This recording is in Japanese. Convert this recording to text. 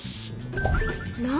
何？